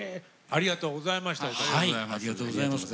ありがとうございます。